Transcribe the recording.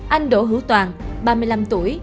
anh đỗ hữu toàn ba mươi năm tuổi